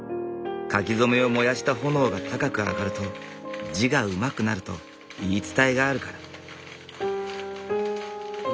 書き初めを燃やした炎が高く上がると字がうまくなると言い伝えがあるから。